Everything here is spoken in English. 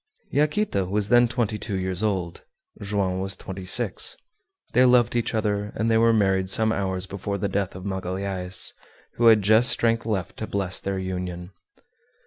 Yaquita was then twenty two years old, Joam was twenty six. They loved each other and they were married some hours before the death of Magalhaës, who had just strength left to bless their union.